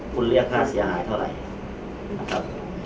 คุณเรียกค่าเสียหายเท่าไหร่นะครับ